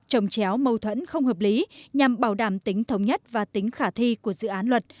trồng chéo mâu thuẫn không hợp lý nhằm bảo đảm tính thống nhất và tính khả thi của dự án luật